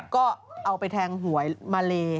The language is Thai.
ก็เอาไปแทงหวยมาเล